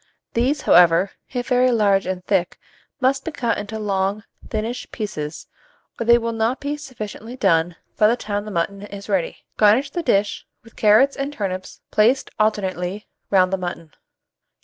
These, however, if very large and thick, must be cut into long thinnish pieces, or they will not be sufficiently done by the time the mutton is ready. Garnish the dish with carrots and turnips placed alternately round the mutton.